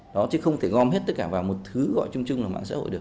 đó chứ không thể gom hết tất cả vào một thứ gọi chung chung là mạng xã hội được